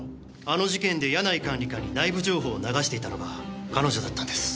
あの事件で柳井管理官に内部情報を流していたのが彼女だったんです。